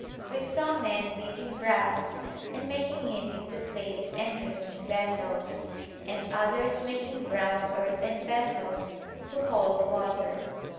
We saw men beatino brass and making it into plates and drinking vessels, and others making brown earthen vessels to hold water.